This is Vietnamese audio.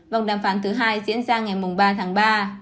vòng đàm phán thứ hai diễn ra ngày ba tháng ba